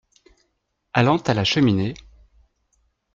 Allant à la cheminée.